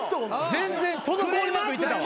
全然滞りなくいってたわ。